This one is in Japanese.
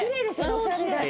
おしゃれだし。